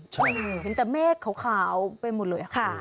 ใช่ค่ะเห็นแต่เมฆขาวขาวไปหมดเลยค่ะค่ะ